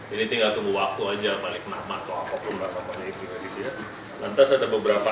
ini tinggal tunggu waktu aja balik nama atau apapun berapa banyak gitu ya lantas ada beberapa